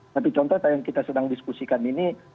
satu contoh yang kita sedang diskusikan ini